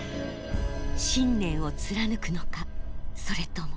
信念を貫くのかそれとも。